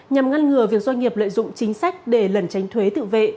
nhằm ngăn ngừa việc doanh nghiệp lợi dụng chính sách để lần tránh thuế tự vệ